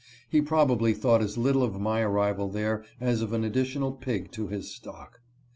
He probably thought as little of my arrival there as of an additional pig to his stock.